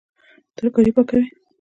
ترکاري پاکوي